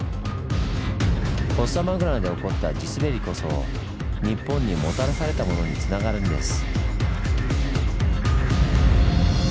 フォッサマグナで起こった地すべりこそ日本にもたらされたものにつながるんです。